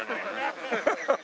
ハハハハ。